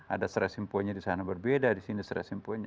ada stress imponnya di sana berbeda di sini stress imponnya